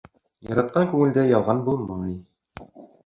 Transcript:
Яратҡан күңелдә ялған булмай.